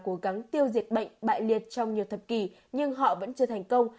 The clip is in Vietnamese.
cố gắng tiêu diệt bệnh bại liệt trong nhiều thập kỷ nhưng họ vẫn chưa thành công